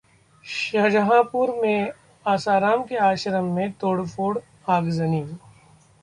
शाहजहांपुर में आसाराम के आश्रम में तोड़फोड़, आगजनी